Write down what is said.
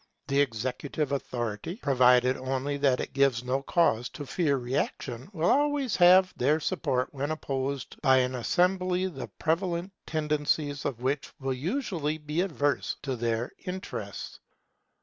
The executive authority, provided only that it gives no cause to fear reaction, will always have their support when opposed by an assembly the prevalent tendencies of which will usually be adverse to their interests.